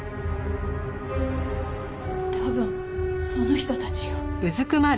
多分その人たちよ。